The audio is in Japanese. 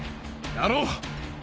やろう！